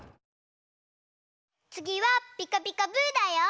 つぎは「ピカピカブ！」だよ。